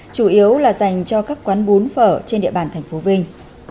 chủ yếu là dành cho các quán bún phở trên địa bàn thành phố vinh